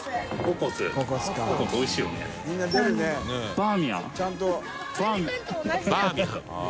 「バーミヤン」飯尾）